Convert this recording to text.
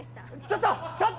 ちょっと！